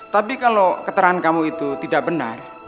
tapi kalau keterangan kamu itu tidak benar